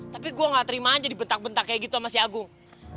tapi gue gak terima aja dibentak bentak kayak gitu sama si agung